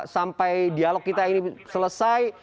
sampai dialog kita ini selesai